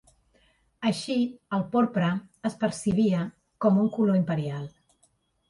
Així, el porpra es percebia com un color imperial.